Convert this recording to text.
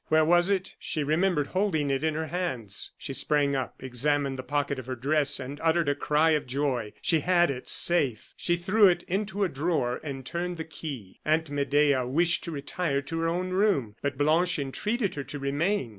where was it? She remembered holding it in her hands. She sprang up, examined the pocket of her dress and uttered a cry of joy. She had it safe. She threw it into a drawer, and turned the key. Aunt Medea wished to retire to her own room, but Blanche entreated her to remain.